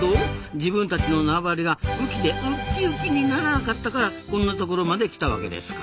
自分たちの縄張りが雨季でウッキウキにならなかったからこんなところまで来たわけですか。